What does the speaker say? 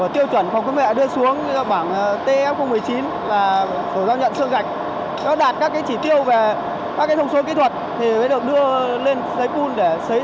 tiêu chuẩn phòng cơ mẹ đưa xuống bảng tf một mươi chín và sổ giao nhận sương gạch có đạt các chỉ tiêu về các thông số kỹ thuật thì mới được đưa lên sấy phun để sấy ra bột liệu để phục vụ sản xuất